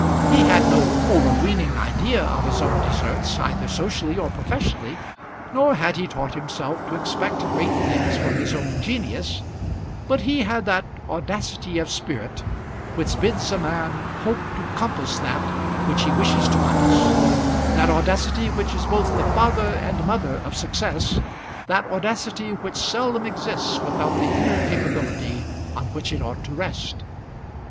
He had no overweening idea of his own deserts, either socially or professionally, nor had he taught himself to expect great things from his own genius; but he had that audacity of spirit which bids a man hope to compass that which he wishes to compass, that audacity which is both the father and mother of success, that audacity which seldom exists without the inner capability on which it ought to rest.